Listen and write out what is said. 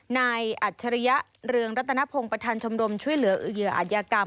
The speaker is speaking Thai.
อัจฉริยะเรืองรัตนพงศ์ประธานชมรมช่วยเหลือเหยื่ออัธยากรรม